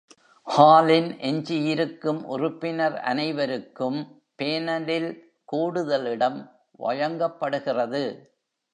ஹாலின் எஞ்சியிருக்கும் உறுப்பினர் அனைவருக்கும் பேனலில் கூடுதல் இடம் வழங்கப்படுகிறது.